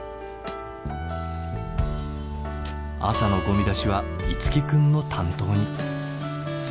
朝のゴミ出しは樹君の担当に。